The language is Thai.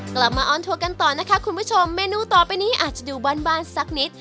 มาออนทัวร์กันต่อนะคะคุณผู้ชมเมนูต่อไปนี้อาจจะดูบ้านบ้านสักนิด